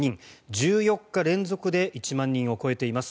１４日連続で１万人を超えています。